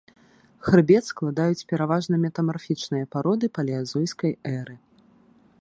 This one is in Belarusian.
Хрыбет складаюць пераважна метамарфічныя пароды палеазойскай эры.